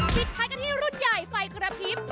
คลิกท้ายกันที่รุ่นใหญ่ไฟกระพิบ